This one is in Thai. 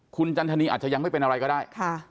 คุณจันทนีอาจจะยังไม่เป็นอะไรก็ได้